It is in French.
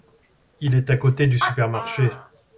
Il est à côté du supermarché.